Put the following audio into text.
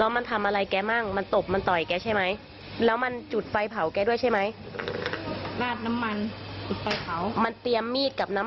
มันได้เตรียมมาไหมไม่ได้เตรียมมา